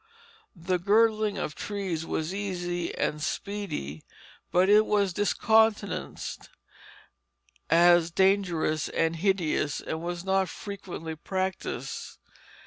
The girdling of trees was easy and speedy, but it was discountenanced as dangerous and hideous, and was not frequently practised.